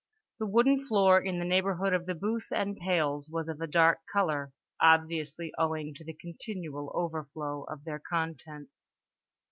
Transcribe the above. The wooden floor in the neighborhood of the booth and pails was of a dark colour, obviously owing to the continual overflow of their contents.